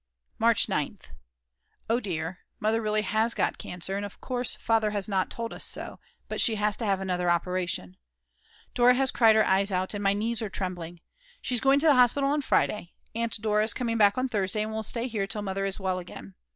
March 9th. Oh dear, Mother really has got cancer; of course Father has not told us so, but she has to have another operation. Dora has cried her eyes out and my knees are trembling. She's going to hospital on Friday. Aunt Dora is coming back on Thursday and will stay here till Mother is well again.